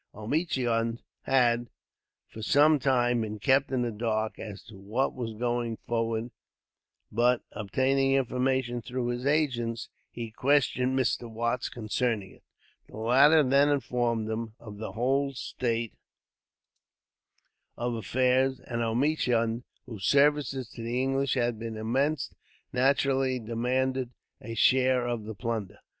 Omichund had, for some time, been kept in the dark as to what was going forward; but, obtaining information through his agents, he questioned Mr. Watts concerning it. The latter then informed him of the whole state of affairs, and Omichund, whose services to the English had been immense, naturally demanded a share of the plunder.